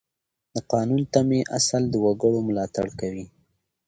د قانوني تمې اصل د وګړو ملاتړ کوي.